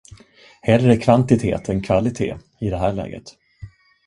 Hellre kvantitet än kvalitet, i det här läget.